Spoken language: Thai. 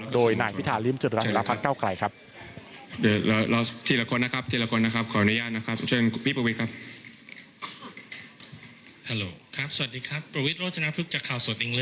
โดยนายพิธาลิมจิตรราฟันเก้าไกล